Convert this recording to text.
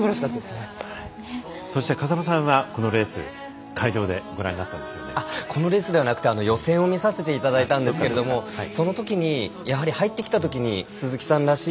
そして風間さんはこのレース会場でご覧になったんですよね？このレースでなくて予選を見させていただいたんですがそのときに、やはり入ってきたときに鈴木さんらしい